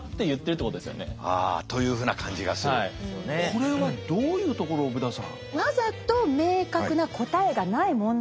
これはどういうところをブダさん。